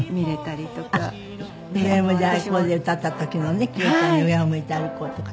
『上を向いて歩こう』で歌った時のね九ちゃんの『上を向いて歩こう』とか。